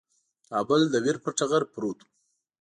کابل د ویر پر ټغر پروت وو.